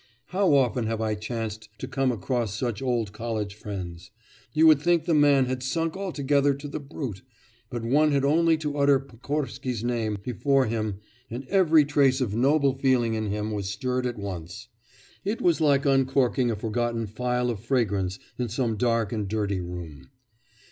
How often have I chanced to come across such old college friends! You would think the man had sunk altogether to the brute, but one had only to utter Pokorsky's name before him and every trace of noble feeling in him was stirred at once; it was like uncorking a forgotten phial of fragrance in some dark and dirty room.